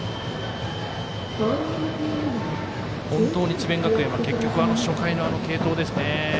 本当に智弁学園は結局、初回の継投ですね。